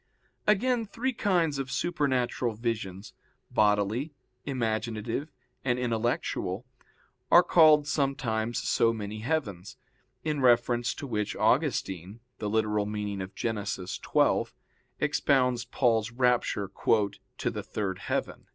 Again, three kinds of supernatural visions, bodily, imaginative, and intellectual, are called sometimes so many heavens, in reference to which Augustine (Gen. ad lit. xii) expounds Paul's rapture "to the third heaven."